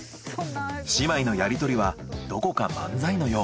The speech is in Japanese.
姉妹のやり取りはどこか漫才のよう。